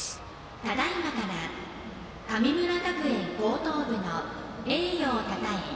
ただいまからを神村学園高等部の栄誉をたたえ